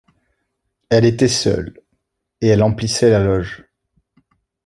Elle était seule, et elle emplissait la loge.